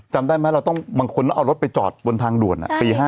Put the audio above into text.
จำได้ไหมบางคนเราเอารถไปจอดบนทางด่วนปี๕๔อะ